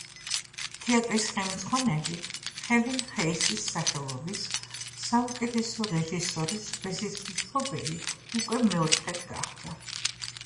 თეატრის ხელმძღვანელი, ჰელენ ჰეისის სახელობის საუკეთესო რეჟისორის პრიზის მფლობელი უკვე მეოთხედ გახდა.